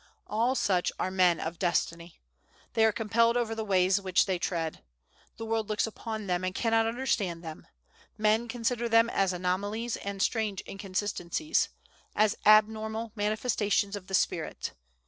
All such are men of Destiny. They are compelled over the ways which they tread. The world looks upon them, and cannot understand them; men consider them as anomalies and strange inconsistencies; as abnormal manifestations of the spirit.